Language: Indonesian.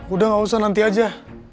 udah gak usah nanti aja